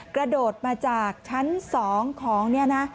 กระโดดมาจากชั้น๒ของนี่นะ